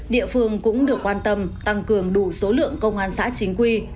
địa phương cũng được quan tâm tăng cường đủ số lượng công an xã chính quy